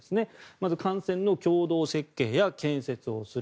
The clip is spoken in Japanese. まず、艦船の共同設計や建設をする。